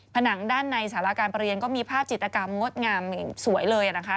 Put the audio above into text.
ผนังด้านในสาราการประเรียนก็มีภาพจิตกรรมงดงามสวยเลยนะคะ